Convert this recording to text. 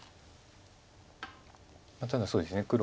ただそうですね。